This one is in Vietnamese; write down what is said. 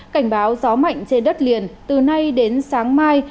cảnh báo gió mạnh trên đất liền từ nay đến sáng mai